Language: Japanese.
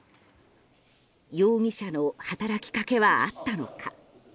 容疑者の働きかけはあったのか。